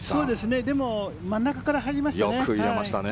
でも真ん中から入りましたね。